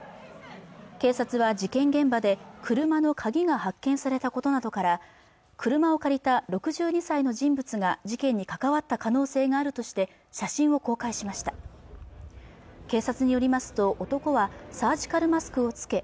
警察は事件現場で車の鍵が発見されたことなどから車を借りた６２歳の人物が事件に関わった可能性があるとして写真を公開しました警察によりますと男はサージカルマスクをつけ